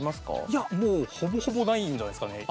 いやもうほぼほぼないんじゃないですかね。